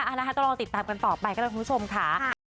นะคะต้องรอติดตามกันต่อไปก็ได้คุณผู้ชมค่ะ